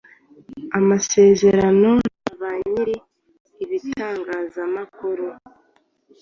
amasezerano na ba nyiri ibitangazamakuru